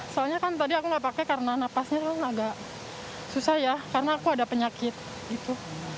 soalnya kan tadi aku nggak pakai karena napasnya kan agak susah ya karena aku ada penyakit gitu